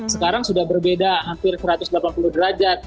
sekarang sudah berbeda hampir satu ratus delapan puluh derajat